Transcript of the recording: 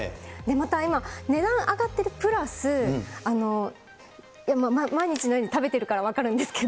また今、値段上がってるプラス、毎日のように食べてるから分かるんですけ